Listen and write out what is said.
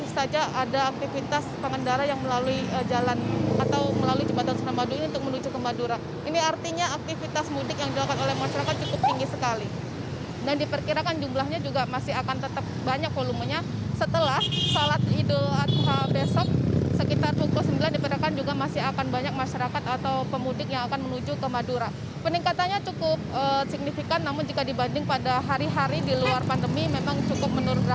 surada korespondensi nn indonesia ekarima di jembatan suramadu mencapai tiga puluh persen yang didominasi oleh pemudik yang akan pulang ke kampung halaman di madura